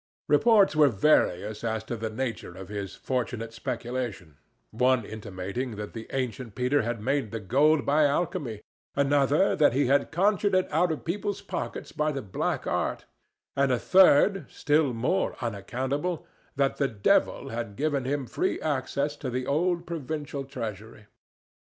Reports were various as to the nature of his fortunate speculation, one intimating that the ancient Peter had made the gold by alchemy; another, that he had conjured it out of people's pockets by the black art; and a third—still more unaccountable—that the devil had given him free access to the old provincial treasury.